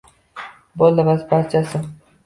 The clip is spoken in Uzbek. Bo’ldi, bas, barchasi